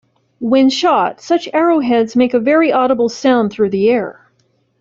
When shot, such arrowheads make a very audible sound through the air.